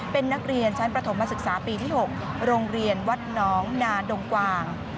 เป็นนักเรียนชั้นประถมศึกษาปีที่๖โรงเรียนวัดน้องนาดงกวาง